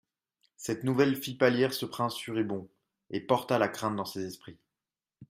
Cette nouvelle fit pâlir ce prince furibond, et porta la crainte dans ses esprits.